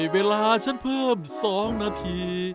เวลาฉันเพิ่ม๒นาที